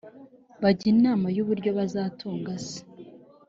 bajya inama y’uburyo bazatunga se